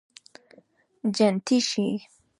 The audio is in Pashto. جنتي شې